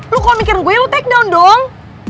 lu kalau mikirin gue lu take down dong